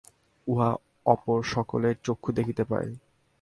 উহা অপর সকলের চক্ষু দেখিতে পায়।